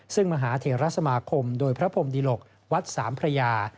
ซึ่งมหาเทราสมาคมโดยพระพรมดิหลกวัดสามพระยา